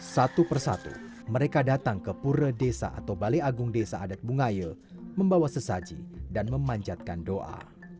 satu persatu mereka datang ke pura desa atau balai agung desa adat bungaya membawa sesaji dan memanjatkan doa